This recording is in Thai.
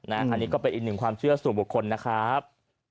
อันนี้ก็เป็นอีกหนึ่งความเชื่อสู่บุคคลนะครับ